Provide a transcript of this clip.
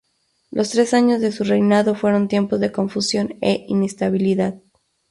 Los tres años de su reinado fueron tiempos de confusión e inestabilidad.